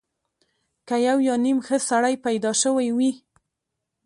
که یو یا نیم ښه سړی پیدا شوی وي.